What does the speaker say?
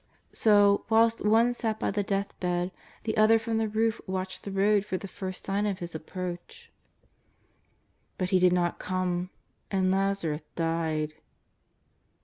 So, whilst one sat by the deathbed, the other from the roof watched the road for the first sign of His approach. JESUS OF NAZARETH. 291 But He did not come, and Lazarus died.